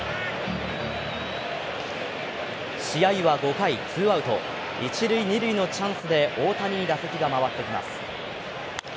試合は５回、ツーアウト一・二塁のチャンスで大谷に打席が回ってきます。